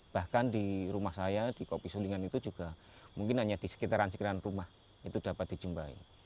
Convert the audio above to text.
bahkan di rumah saya di kopi sulingan itu juga mungkin hanya di sekitaran sekitaran rumah itu dapat dijumpai